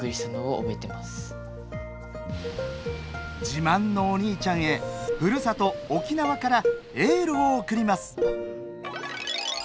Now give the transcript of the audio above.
自慢のお兄ちゃんへふるさと沖縄からエールを送ります。